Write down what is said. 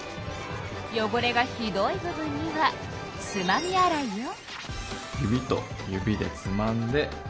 よごれがひどい部分にはつまみ洗いよ。